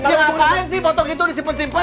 ya ngapain sih foto gitu disimpen simpen